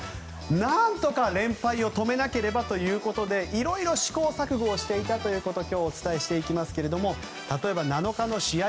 何とか連敗を止めなければということでいろいろ試行錯誤をしていたということを今日お伝えしていきますが例えば７日の試合